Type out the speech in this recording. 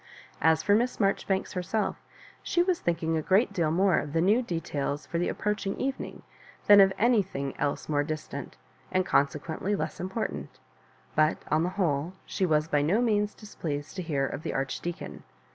As for Miss Marjoribanks herself, she was thinking a great deal more of the new de tails for the approaching evening than of any thing else more distant, and consequently less important; but, on the whole, she was by no means displeased to hear of the Archdeacon.